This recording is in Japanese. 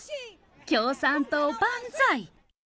共産党万歳！